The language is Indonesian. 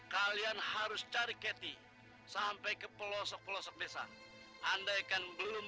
kami belum bisa menemukan kathy dan denno bu